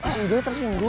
si ijo tersendung